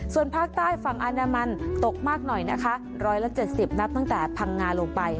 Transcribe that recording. ส่วนภาคใต้ฝั่งอนามันตกมากหน่อยนะคะ๑๗๐นับตั้งแต่พังงาลงไป